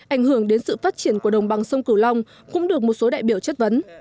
ảnh hưởng đến sự phát triển của đồng bằng sông cửu long cũng được một số đại biểu chất vấn